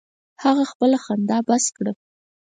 هغه خپله خندا بس کړه.